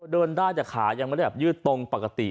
เดินได้แต่ขายังไม่ได้แบบยืดตรงปกติ